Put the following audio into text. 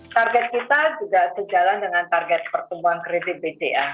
target kita juga sejalan dengan target pertumbuhan kredit bca